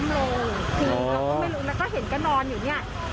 คือเราก็ไม่รู้แล้วก็เห็นก็นอนอยู่เนี่ย